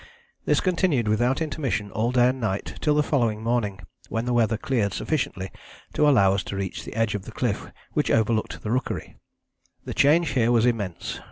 This continued without intermission all day and night till the following morning, when the weather cleared sufficiently to allow us to reach the edge of the cliff which overlooked the rookery. [Illustration: THE EMPERORS ROOKERY] "The change here was immense.